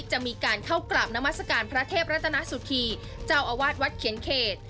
จะมีการเข้ากราบนามัศกาลพระเทพรัตนสุธีเจ้าอาวาสวัดเขียนเขต